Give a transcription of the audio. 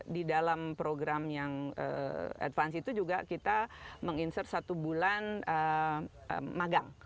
di dalam program yang advance itu juga kita menginsert satu bulan magang